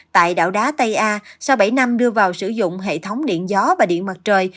tại đảo đá tây a sau bảy năm đưa vào sử dụng hệ thống điện gió và điện mặt trời